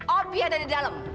opi ada di dalam